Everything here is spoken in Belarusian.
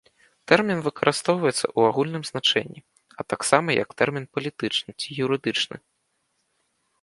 Тэрмін выкарыстоўваецца ў агульным значэнні, а таксама як тэрмін палітычны ці юрыдычны.